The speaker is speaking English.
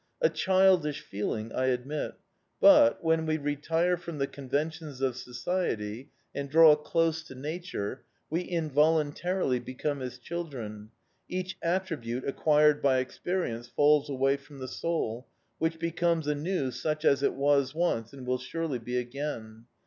A childish feeling, I admit, but, when we retire from the conventions of society and draw close to nature, we involuntarily become as children: each attribute acquired by experience falls away from the soul, which becomes anew such as it was once and will surely be again.